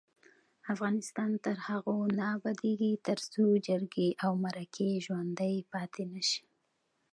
افغانستان تر هغو نه ابادیږي، ترڅو جرګې او مرکې ژوڼدۍ پاتې نشي.